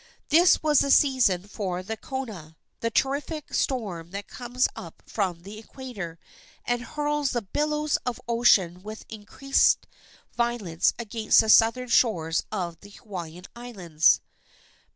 This was the season for the kona, the terrific storm that comes up from the equator, and hurls the billows of ocean with increased violence against the southern shores of the Hawaiian Islands.